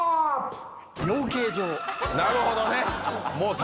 なるほどね。